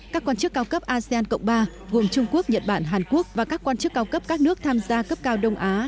các quan chức cao cấp asean cộng ba gồm trung quốc nhật bản hàn quốc và các quan chức cao cấp các nước tham gia cấp cao đông á